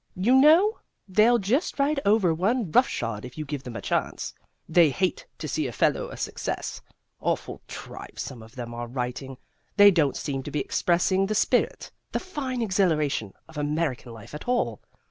You know, they'll just ride over one roughshod if you give them a chance. They hate to see a fellow a success. Awful tripe some of them are writing. They don't seem to be expressing the spirit, the fine exhilaration, of American life at all.